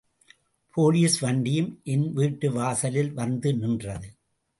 Police வண்டியும் என் வீட்டு வாசலில் வந்து நின்றது.